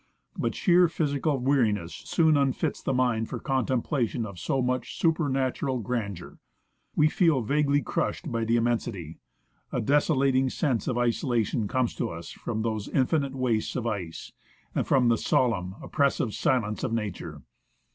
But sheer physical weariness soon unfits the mind for contemplation of so much supernatural grandeur. We feel vaguely crushed by the immensity ; a desolating sense of isolation comes to us from those infinite wastes of ice, and from the solemn, oppressive silence of nature.